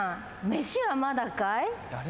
飯はまだかい？